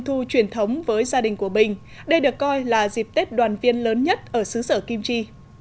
thu truyền thống với gia đình của mình đây được coi là dịp tết đoàn viên lớn nhất ở xứ sở kim chi